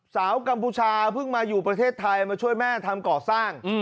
กัมพูชาเพิ่งมาอยู่ประเทศไทยมาช่วยแม่ทำก่อสร้าง